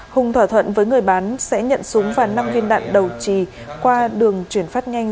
hùng thỏa thuận với người bán sẽ nhận súng và năm viên đạn đầu trì qua đường chuyển phát nhanh